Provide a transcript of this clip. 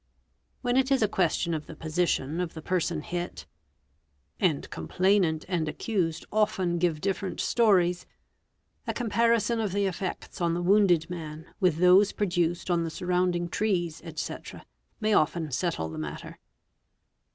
When it is a ques \tion of the position of the person hit—and complainant and accused often give different stories—a comparison of the effects on the wounded | man with those produced on the surrounding trees, &c., may often settle the matter.